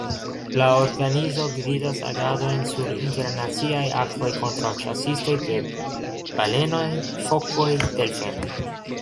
La organizo gvidas agadojn sur internaciaj akvoj kontraŭ ĉasistoj de balenoj, fokoj, delfenoj.